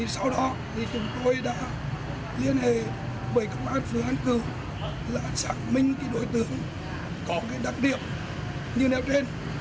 sau đó thì chúng tôi đã liên hệ với công an phường an cửu là chẳng minh đối tượng có đặc điểm như nếu trên